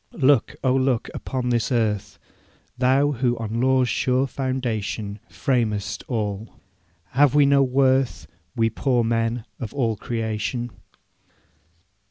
'Look, oh look upon this earth, Thou who on law's sure foundation Framedst all! Have we no worth, We poor men, of all creation?